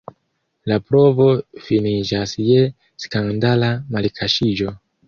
La provo finiĝas je skandala malkaŝiĝo.